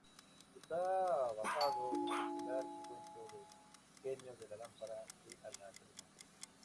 Está basado en el popular cuento del genio de la lámpara de Aladino.